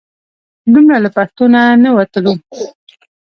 دومره له پښتو نه نه وتلو.